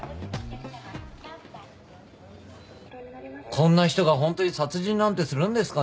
こんな人がホントに殺人なんてするんですかね？